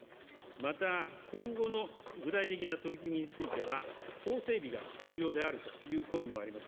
また、今後の具体的な取り組みについては、法整備が必要であるという声もあります。